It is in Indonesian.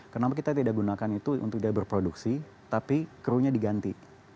kenapa kita tidak gunakan itu untuk dia berproduksi tapi crew nya diganti